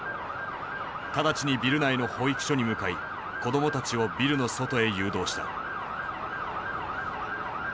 直ちにビル内の保育所に向かい子供たちをビルの外へ誘導した。